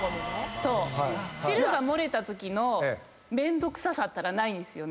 汁が漏れたときのめんどくささったらないですよ。